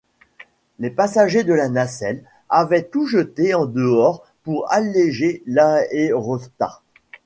Les passagers de la nacelle avaient tout jeté au dehors pour alléger l’aérostat